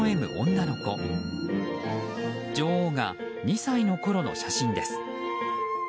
女王が２歳のころの写真です。